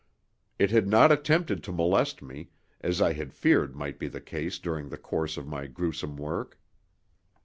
It had not attempted to molest me, as I had feared might be the case during the course of my gruesome work.